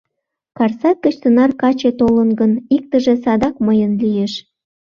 — Карсак гыч тынар каче толын гын, иктыже садак мыйын лиеш.